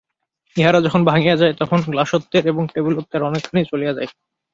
ইহারা যখন ভাঙিয়া যায়, তখন গ্লাসত্বের এবং টেবিলত্বের অনেকখানিই চলিয়া যায়।